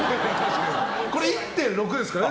これ、１．６ですからね。